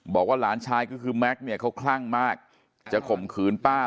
บอกว่าหลานชายก็คือแม็กซ์เนี่ยเขาคลั่งมากจะข่มขืนป้า